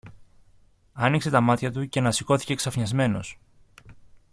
Άνοιξε τα μάτια του και ανασηκώθηκε ξαφνισμένος.